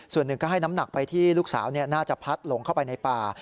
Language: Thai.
ส่วนหนึ่งก็ให้น้ำหนักไปที่ลูกสาวน่าจะพัดหลงเข้าไปในป่า